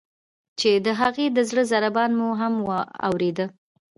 چې د هغې د زړه ضربان مو هم اوریده.